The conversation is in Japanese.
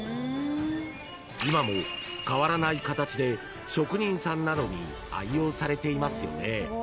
［今も変わらない形で職人さんなどに愛用されていますよね］